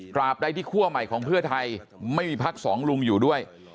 บใดที่คั่วใหม่ของเพื่อไทยไม่มีพักสองลุงอยู่ด้วย